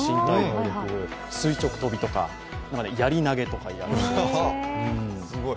垂直跳びとか、やり投げとかをやるそうです。